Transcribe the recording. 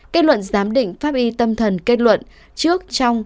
kết luận giám định pháp y tâm thần kết luận trước trong